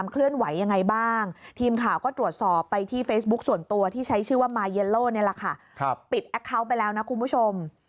เข้าไปแล้วนะคุณผู้ชม